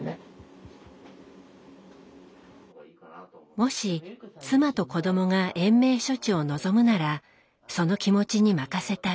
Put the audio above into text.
もし妻と子どもが延命処置を望むならその気持ちに任せたい。